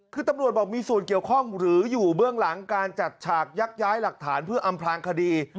คือตำรวจบอกมีส่วนเกี่ยวข้องหรืออยู่เบื้องหลังการจัดฉากยักย้ายหลักฐานเพื่ออำพลางคดี